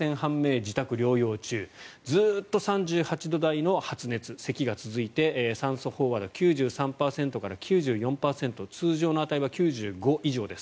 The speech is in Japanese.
自宅療養中ずっと３８度台の発熱せきが続いて酸素飽和度、９３％から９４％通常の値は９５％以上です。